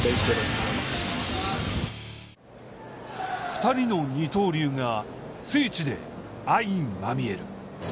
２人の二刀流が聖地で相まみえる。